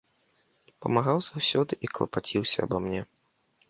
Памагаў заўсёды і клапаціўся аба мне.